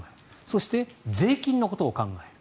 そして税金のことを考える。